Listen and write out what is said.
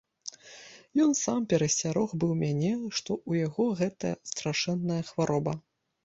Ён сам перасцярог быў мяне, што ў яго гэта страшная хвароба.